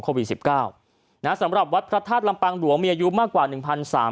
โควิดสิบเก้านะสำหรับวัดพระธาตุลำปางหลวงมีอายุมากกว่าหนึ่งพันสาม